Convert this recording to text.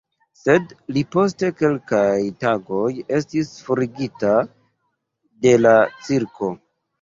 Sed li post kelkaj tagoj estis forigita de la cirko.